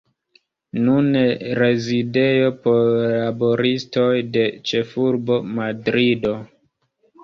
Nune rezidejo por laboristoj de ĉefurbo Madrido.